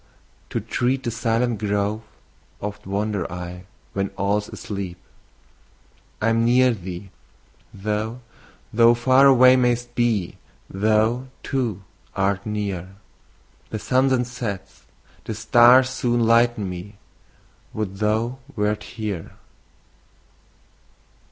To tread the silent grove oft wander I, When all's asleep. I'm near thee, though thou far away mayst be Thou, too, art near! The sun then sets, the stars soon lighten me. Would thou wert here!